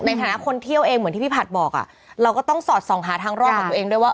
ในฐานะคนเที่ยวเองเหมือนที่พี่ผัดบอกอ่ะเราก็ต้องสอดส่องหาทางรอดของตัวเองด้วยว่า